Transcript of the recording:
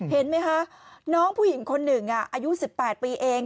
เห็นไหมคะน้องผู้หญิงคนหนึ่งอายุ๑๘ปีเอง